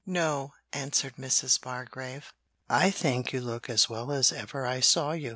'No,' answered Mrs. Bargrave, 'I think you look as well as ever I saw you.'